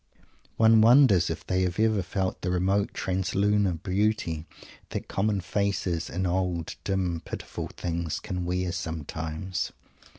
One wonders if they have ever felt the remote translunar beauty that common faces and old, dim, pitiful things can wear sometimes.